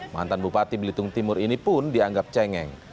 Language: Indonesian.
mantan bupati belitung timur ini pun dianggap cengeng